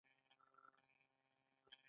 وريجي مينځي